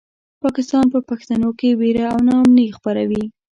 پاکستان په پښتنو کې وېره او ناامني خپروي.